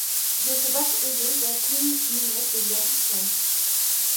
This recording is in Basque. Josebak ere jakin-minez begiratu zuen.